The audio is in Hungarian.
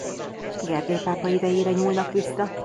Gergely pápa idejére nyúlnak vissza.